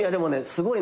すごい。